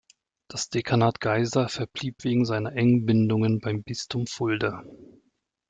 Das Dekanat Geisa verblieb wegen seiner engen Bindungen beim Bistum Fulda.